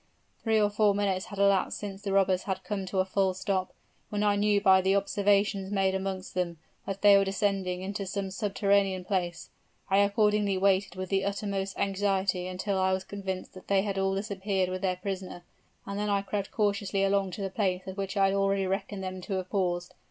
Three or four minutes had elapsed since the robbers had come to a full stop, when I knew by the observations made amongst them, that they were descending into some subterranean place. I accordingly waited with the utmost anxiety until I was convinced that they had all disappeared with their prisoner; and then I crept cautiously along to the place at which I had already reckoned them to have paused.